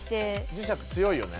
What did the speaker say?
磁石強いよね？